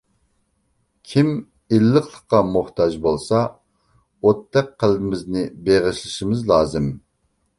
كىم ئىللىقلىققا موھتاج بولسا، ئوتتەك قەلبىمىزنى بېغىشلىشىمىز لازىم.